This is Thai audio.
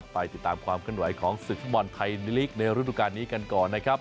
ไปติดตามความขึ้นหน่วยของศึกธรรมวัลไทยนิริกในฤดูการณ์นี้กันก่อนนะครับ